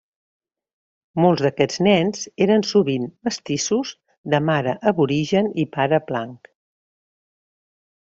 Molts d'aquests nens eren sovint mestissos de mare aborigen i pare blanc.